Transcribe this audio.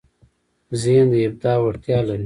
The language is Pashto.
ذهن د ابداع وړتیا لري.